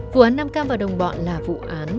vụ án nam cam và đồng bọn là vụ án